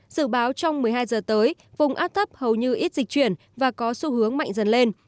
dự báo trong một mươi hai giờ tới vùng áp thấp hầu như ít dịch chuyển và có xu hướng mạnh dần lên